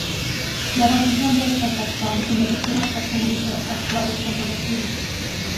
La posición de este taxón en el esquema taxonómico actual es controvertida.